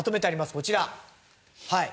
こちらはい。